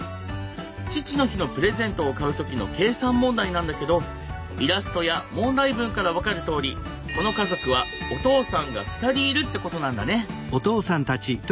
父の日のプレゼントを買う時の計算問題なんだけどイラストや問題文から分かるとおりこの家族はお父さんが２人いるってことなんだね。